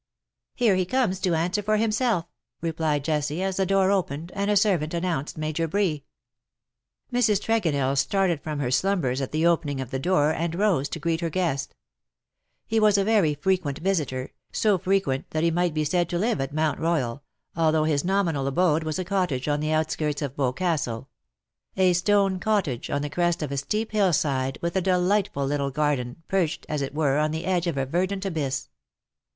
'^" Here he comes to answer for himself/^ replied Jessie, as the door opened, and a servant announced Major Bree. Mrs. Tregonell started from her slumbers at the opening of the door_, and rose to greet her guesto He was a very frequent visitor^ so frequent that he might be said to live at Mount Royal, although his nominal abode was a cottage on the outskirts of Boscastle — a stone cottage on the crest of a steep hill side, with a delightful little garden, perched, as it were, on the edge of a verdant abyss.